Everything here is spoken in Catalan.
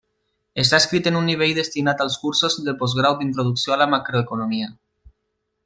Està escrit en un nivell destinat als cursos de postgrau d'introducció a la macroeconomia.